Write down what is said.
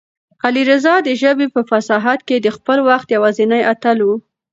علي رض د ژبې په فصاحت کې د خپل وخت یوازینی اتل و.